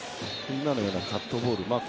今のようなカットボール